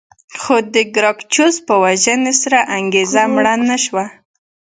خو د ګراکچوس په وژنې سره انګېزه مړه نه شوه